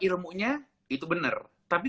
ilmunya itu bener tapi